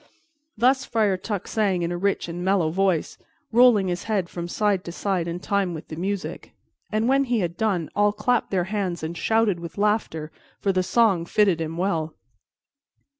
Thus Friar Tuck sang in a rich and mellow voice, rolling his head from side to side in time with the music, and when he had done, all clapped their hands and shouted with laughter, for the song fitted him well.